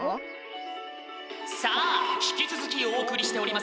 「さあ引き続きお送りしております